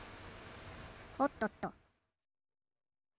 おっとっと。